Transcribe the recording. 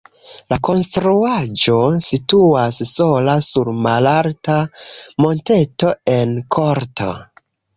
La konstruaĵo situas sola sur malalta monteto en korto.